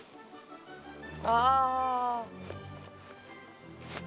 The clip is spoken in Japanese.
ああ。